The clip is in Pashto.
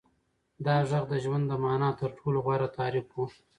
دا غږ د ژوند د مانا تر ټولو غوره تعریف و.